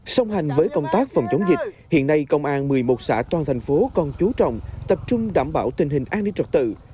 song hành với công tác phòng chống dịch hiện nay công an một mươi một xã toàn thành phố còn chú trọng tập trung đảm bảo tình hình an ninh trật tự